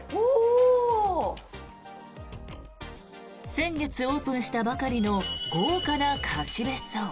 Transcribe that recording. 先月オープンしたばかりの豪華な貸別荘。